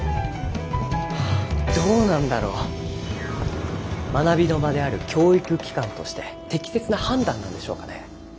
どうなんだろう学びの場である教育機関として適切な判断なんでしょうかね。